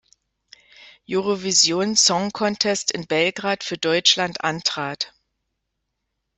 Eurovision Song Contest in Belgrad für Deutschland antrat.